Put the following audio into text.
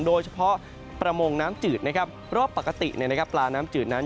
ประมงน้ำจืดนะครับเพราะปกติปลาน้ำจืดนั้น